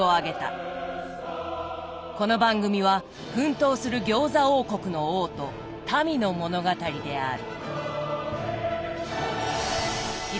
この番組は奮闘する餃子王国の王と民の物語である。